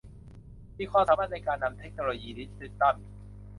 มีความสามารถในการนำเทคโนโลยีดิจิทัล